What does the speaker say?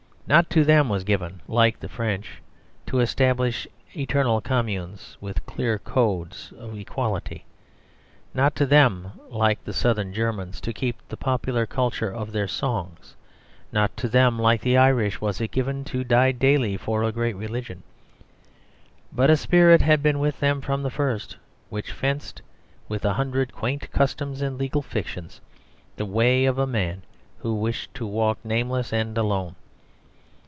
Not to them was given, like the French, to establish eternal communes and clear codes of equality; not to them, like the South Germans, to keep the popular culture of their songs; not to them, like the Irish, was it given to die daily for a great religion. But a spirit had been with them from the first which fenced, with a hundred quaint customs and legal fictions, the way of a man who wished to walk nameless and alone.